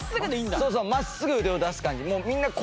そうそう真っすぐ腕を出す感じ。